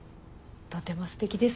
とても素敵です。